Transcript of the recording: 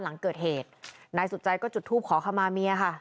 หลังเกิดเหตุนายสุดใจก็จุดทูปขอขมาเมียค่ะ